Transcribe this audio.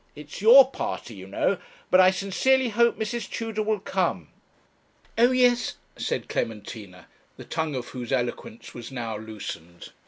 It's your party, you know but I sincerely hope Mrs. Tudor will come.' 'Oh yes,' said Clementina, the tongue of whose eloquence was now loosened.